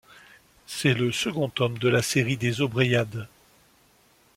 C'est le second tome de la série des Aubreyades.